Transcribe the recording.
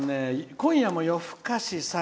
今夜も夜更かしさん